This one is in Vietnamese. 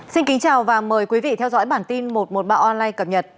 xin kính chào và mời quý vị theo dõi bản tin một trăm một mươi ba online cập nhật